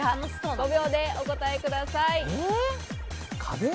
５秒でお答えください。